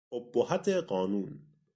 ابهت قانون